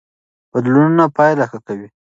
بدلونونه پایله ښه کوي.